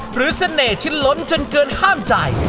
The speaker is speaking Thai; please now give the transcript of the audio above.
เสน่ห์ที่ล้นจนเกินห้ามใจ